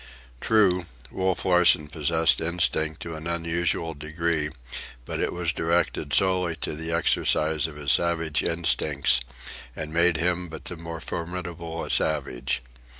True, Wolf Larsen possessed intellect to an unusual degree, but it was directed solely to the exercise of his savage instincts and made him but the more formidable a savage.